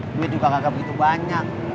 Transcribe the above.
duit juga gak begitu banyak